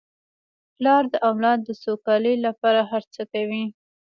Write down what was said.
پلار د اولاد د سوکالۍ لپاره هر څه کوي.